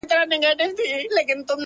سیاه پوسي ده، ورته ولاړ یم،